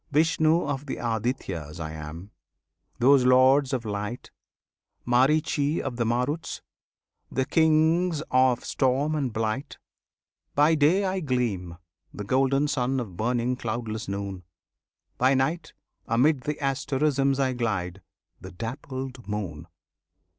Vishnu of the Adityas I am, those Lords of Light; Maritchi of the Maruts, the Kings of Storm and Blight; By day I gleam, the golden Sun of burning cloudless Noon; By Night, amid the asterisms I glide, the dappled Moon!